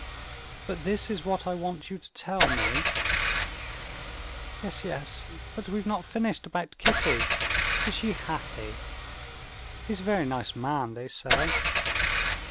But this is what I want you to tell me...." "Yes, yes, but we've not finished about Kitty. Is she happy? He's a very nice man, they say."